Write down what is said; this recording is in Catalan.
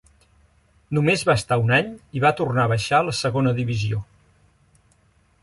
Només va estar un any i va tornar a baixar a la Segona Divisió.